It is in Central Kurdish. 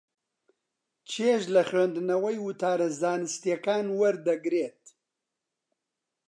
چێژ لە خوێندنەوەی وتارە زانستییەکان وەردەگرێت.